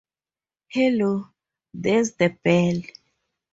Hello, there's the bell.